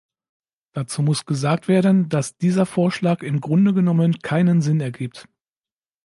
Dazu muss gesagt werden, dass dieser Vorschlag im Grunde genommen keinen Sinn ergibt.